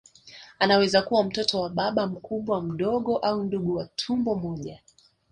Anaweza kuwa mtoto wa baba mkubwa mdogo au ndugu wa tumbo moja